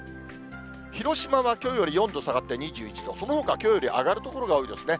広島はきょうより４度下がって２１度、そのほかはきょうより上がる所が多いですね。